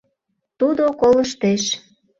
Тудо колыштеш.